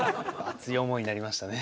熱い思いになりましたね。